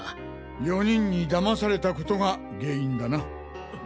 ４人に騙されたことが原因だな。